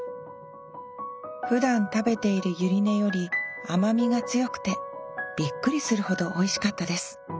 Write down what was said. ふだん食べているユリ根より甘みが強くてびっくりするほどおいしかったです。